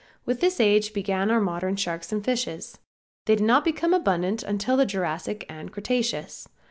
With this age began our modern sharks and fishes. They did not become abundant until the Jurassic and Cretaceous.